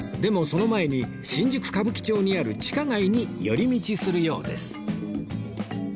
その前に新宿歌舞伎町にある地下街に寄り道するようです